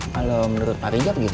kalau menurut pak riza begitu